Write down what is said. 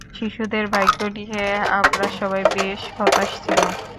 শিশুদের ভাগ্য নিয়ে, আমরা সবাই বেশ হতাশ ছিলাম।